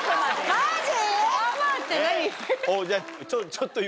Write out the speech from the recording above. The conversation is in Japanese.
・マジ⁉